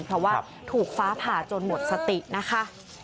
เพราะว่าถูกฟ้าผ่าจนหมดสตินะคะ